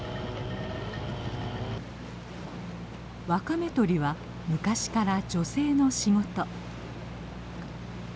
ワカメ採りは昔から女性の仕事。